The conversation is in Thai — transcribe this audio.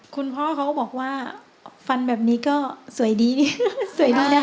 คุณพ่อเขาก็บอกว่าฟันแบบนี้ก็สวยดีสวยดีนะคะ